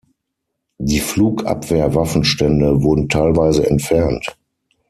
Die Flugabwehr-Waffenstände wurden teilweise entfernt.